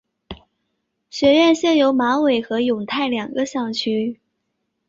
学院现有马尾和永泰两个校区。